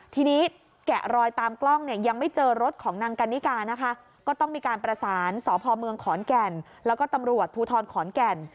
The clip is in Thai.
ทีนี้แกะรอยตามกล้องเนี่ยยังไม่เจอรถของนางกันนิกานะคะก็ต้องมีการประสานสพเมืองขอนแก่นแล้วก็ตำรวจภูทรขอนแก่น